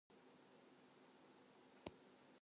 See McFarlane Action Figures.